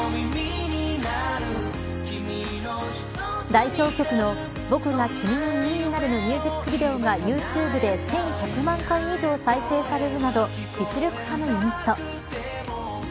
代表曲の、僕が君の耳になるのミュージックビデオがユーチューブで１１００万回以上再生されるなど実力派のユニット。